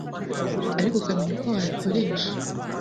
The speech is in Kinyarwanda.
ariko ukamenya uko wayakoresha